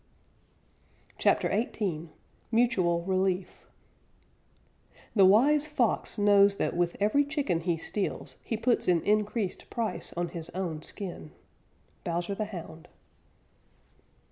CHAPTER XVIII MUTUAL RELIEF The wise Fox knows that with every chicken he steals he puts an increased price on his own skin. _Bowser the Hound.